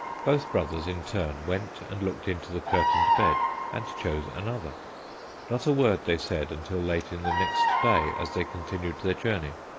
Both brothers in turn went and looked into the curtained bed and chose another. Not a word they said until late in the next day as they continued their journey.